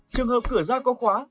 trường hợp cửa ra có khóa